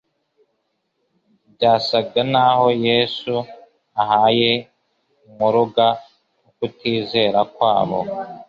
Byasaga naho Yesu ahaye inkuruga ukutizera kwabo